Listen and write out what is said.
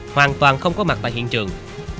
hoàn toàn không có mặt tại hiện trường